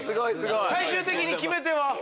最終的に決め手は？